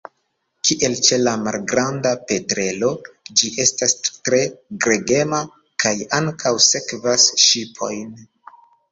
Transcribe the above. Kiel ĉe la Malgranda petrelo, ĝi estas tre gregema, kaj ankaŭ sekvas ŝipojn.